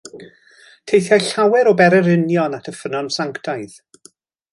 Teithiai llawer o bererinion at y ffynnon sanctaidd.